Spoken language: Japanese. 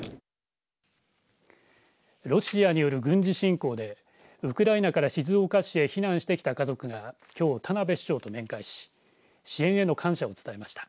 ロシアによる軍事侵攻でウクライナから静岡市へ避難してきた家族がきょう田辺市長と面会し支援への感謝を伝えました。